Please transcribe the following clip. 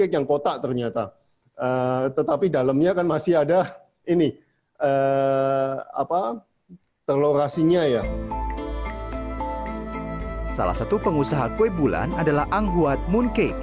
yang terlalu banyak